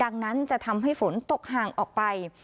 ดังนั้นจะทำให้ฝนตกห่างออกไป